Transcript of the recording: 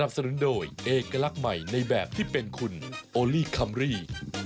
สนุนโดยเอกลักษณ์ใหม่ในแบบที่เป็นคุณโอลี่คัมรี่